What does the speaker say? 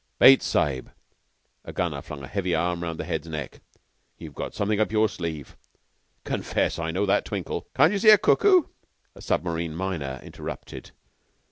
"Bates Sahib " a Gunner flung a heavy arm round the Head's neck "you've got something up your sleeve. Confess! I know that twinkle." "Can't you see, you cuckoo?" a Submarine Miner interrupted.